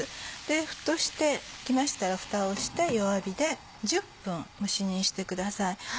沸騰してきましたらフタをして弱火で１０分蒸し煮にしてください。